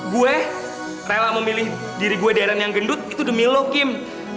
gue rela memilih diri gue deren yang gendut itu demi lo kim